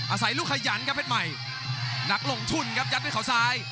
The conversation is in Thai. อาศัยลูกขยันครับเพชรใหม่นักลงทุนครับยัดด้วยเขาซ้าย